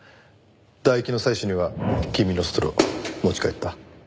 唾液の採取には君のストローを持ち帰った。